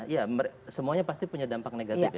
ya semuanya pasti punya dampak negatif ya